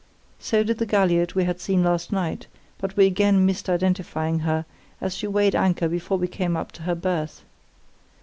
So did the galliot we had seen last night, but we again missed identifying her, as she weighed anchor before we came up to her berth.